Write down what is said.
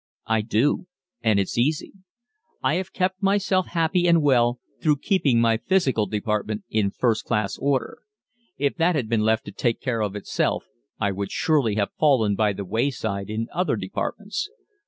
I do and it's easy! I have kept myself happy and well through keeping my physical department in first class order. If that had been left to take care of itself I would surely have fallen by the wayside in other departments.